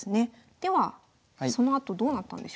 ではそのあとどうなったんでしょうか。